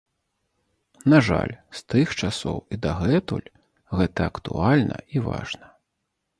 На жаль, з тых часоў і дагэтуль гэта актуальна і важна.